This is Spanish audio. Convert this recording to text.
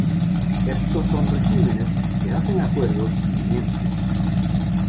Estos son regímenes que hacen acuerdos y mienten.